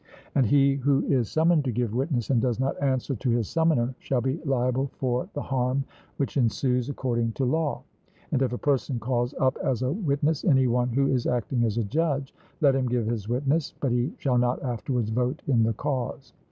And he who is summoned to give witness and does not answer to his summoner, shall be liable for the harm which ensues according to law. And if a person calls up as a witness any one who is acting as a judge, let him give his witness, but he shall not afterwards vote in the cause.